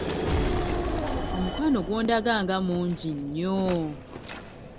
Omukwano gw'ondaga nga mungi nnyo.